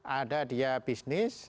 ada dia bisnis